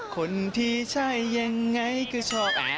คนที่ใช่ยังไงก็ชอบอา